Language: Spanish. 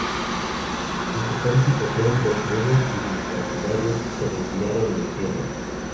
Ante tal situación Bermúdez y sus partidarios se retiraron a la sierra.